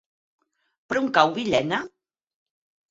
Per on cau Villena?